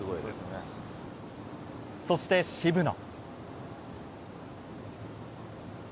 そして渋野。